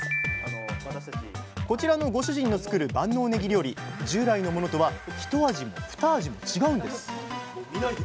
こちらのご主人の作る万能ねぎ料理従来のものとはひと味もふた味も違うんです